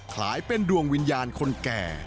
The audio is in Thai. คล้ายเป็นดวงวิญญาณคนแก่